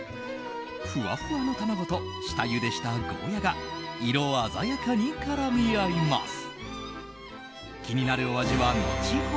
ふわふわの卵と下ゆでしたゴーヤが色鮮やかに絡み合います。